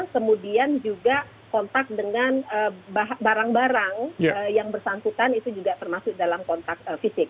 kemudian juga kontak dengan barang barang yang bersangkutan itu juga termasuk dalam kontak fisik